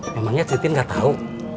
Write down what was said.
memangnya cintin nggak tahu